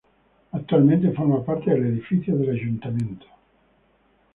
Actualmente forma parte del edificio del Ayuntamiento.